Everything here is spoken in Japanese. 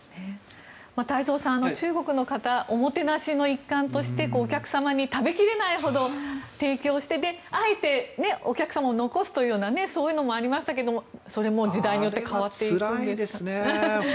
太蔵さん、中国の方おもてなしの一環としてお客様に食べ切れないほど提供してあえてお客様は残すというようなそういうのもありましたけどそれも時代によってあれはつらいですね。